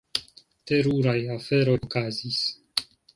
Teruraj aferoj okazis.